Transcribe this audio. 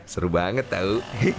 seru banget tau